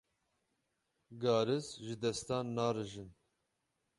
Garis ji destan narijin.